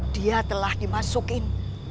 dia telah dimasukin